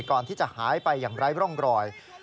ก่อนที่จะหายไปอย่างไร้ร่องรอย